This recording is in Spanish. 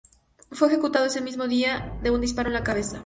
Fue ejecutado ese mismo día de un disparo en la cabeza.